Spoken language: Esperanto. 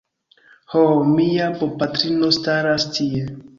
Ho... mia bopatrino staras tie